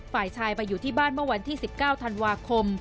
ฝ่ายชายไปอยู่ที่บ้านเมื่อวันที่๑๙ธันวาคม